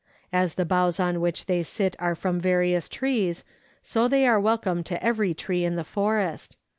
As the boughs on which they sit are from various trees, so they are welcome to every tree in the forest.